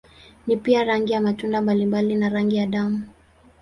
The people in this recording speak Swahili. Ni pia rangi ya matunda mbalimbali na rangi ya damu.